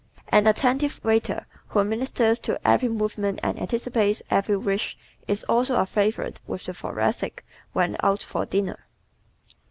An attentive waiter who ministers to every movement and anticipates every wish is also a favorite with the Thoracic when out for dinner.